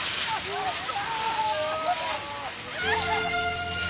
やった。